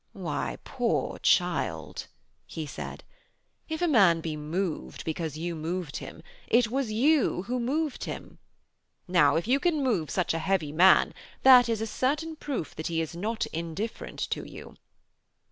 'Why, poor child,' he said. 'If a man be moved because you moved him, it was you who moved him. Now, if you can move such a heavy man that is a certain proof that he is not indifferent to you.'